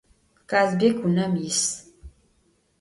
Kazbek vunem yis.